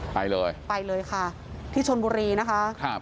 แบบนี้ไปเลยค่ะที่ชนบุรีนะคะ